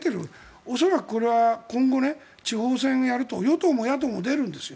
恐らくこれは今後地方選をやると与党も野党も出るんです。